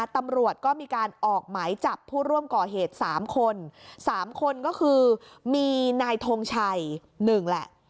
ตำรวจก็มีการออกหมายจับผู้ร่วมก่อเหตุ๓คน๓คนก็คือมีนายทงชัย๑แหละ